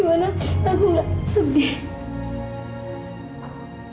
gimana aku gak sedih